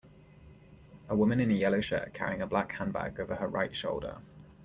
A woman in a yellow shirt carrying a black handbag over her right shoulder.